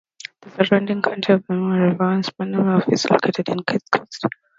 The surrounding County of Vermilion River's municipal office is located in Kitscoty.